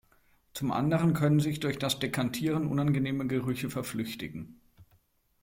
Zum anderen können sich durch das Dekantieren unangenehme Gerüche verflüchtigen.